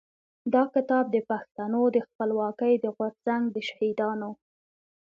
دا کتاب د پښتنو د خپلواکۍ د غورځنګ د شهيدانو.